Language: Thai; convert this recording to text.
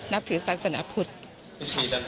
นับถือศาสนาพุทธ